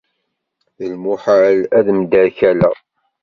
D lmuḥal ad mderkaleɣ.